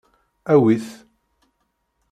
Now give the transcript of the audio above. Awi-t.